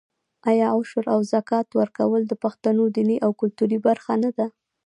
آیا عشر او زکات ورکول د پښتنو دیني او کلتوري برخه نه ده؟